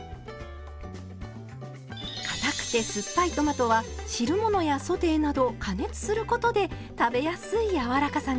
かたくて酸っぱいトマトは汁物やソテーなど加熱することで食べやすいやわらかさに。